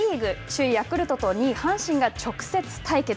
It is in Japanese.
首位ヤクルトと２位阪神が直接対決。